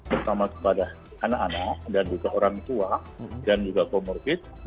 terutama kepada anak anak dan juga orang tua dan juga komorbid